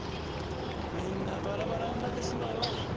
みんなバラバラになってしまうわ。